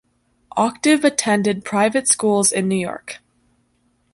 Octave attended private schools in New York.